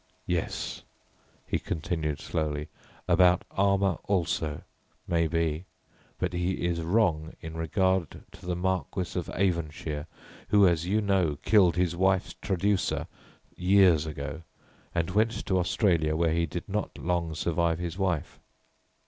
"Yes," he continued, slowly, "about armour also may be but he is wrong in regard to the Marquis of Avonshire, who, as you know, killed his wife's traducer years ago, and went to Australia where he did not long survive his wife."